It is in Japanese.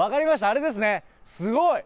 あれですね、すごい！